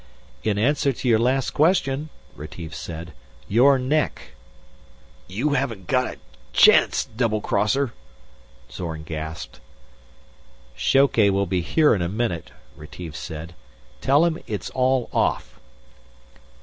"In answer to your last question," Retief said, "your neck." "You haven't got a chance, doublecrosser," Zorn gasped. "Shoke will be here in a minute," Retief said. "Tell him it's all off."